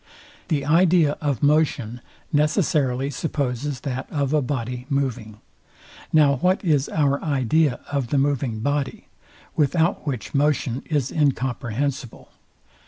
The idea of motion necessarily supposes that of a body moving. Now what is our idea of the moving body, without which motion is incomprehensible?